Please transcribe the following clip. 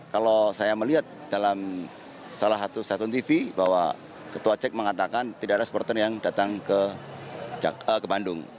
kalau saya melihat dalam salah satu satu tv bahwa ketua cek mengatakan tidak ada supporter yang datang ke bandung